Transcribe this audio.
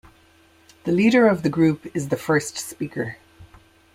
The leader of the group is the First Speaker.